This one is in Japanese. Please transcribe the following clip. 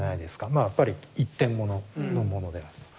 まあやっぱり一点もののものであると。